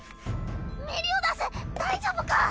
メリオダス大丈夫か？